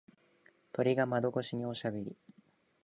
鳥が窓越しにおしゃべり。